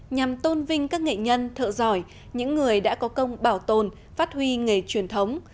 nhằm tôn vinh các nghệ nhân thợ giỏi những người đã có công bảo tồn phát huy nghề truyền thống